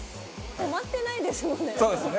止まってないですもんね。